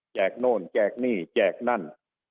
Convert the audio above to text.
โน่นแจกหนี้แจกนั่น